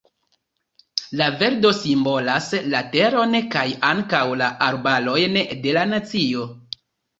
La verdo simbolas la teron, kaj ankaŭ la arbarojn de la nacio.